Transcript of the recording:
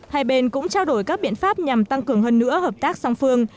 hai bên cũng trao đổi các biện pháp nhằm tăng cường hơn nữa hợp tác song phương